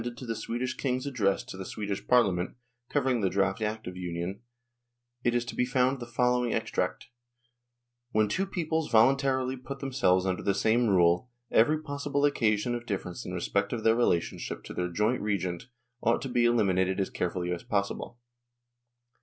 24 NORWAY AND THE UNION WITH SWEDEN the Swedish king's address to the Swedish Parlia ment covering the draft Act of Union, is to be found the following extract :" When two peoples voluntarily put themselves under the same rule, every possible occasion of difference in respect of their relationship to their joint regent ought to be elimin ated as carefully as possible.